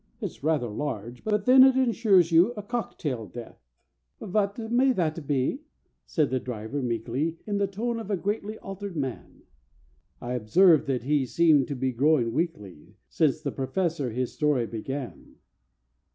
It's rather large, But then it ensures you a cocktail death." "Vot may that be?" said the driver, meekly, In the tone of a greatly altered man. I observed that he seemed to be growing weakly Since the Professor his story began.